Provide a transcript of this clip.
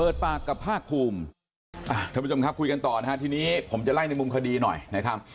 ปากกับภาคภูมิท่านผู้ชมครับคุยกันต่อนะฮะทีนี้ผมจะไล่ในมุมคดีหน่อยนะครับ